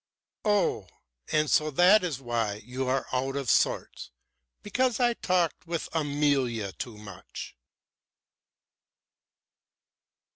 "Oh! And so that is why you are so out of sorts because I talked with Amalia too much?"